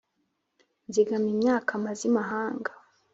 nzigamye imyaka maze imahanga